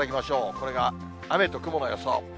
これが雨と雲の予想。